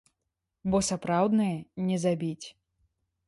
Бо сапраўднае не забіць.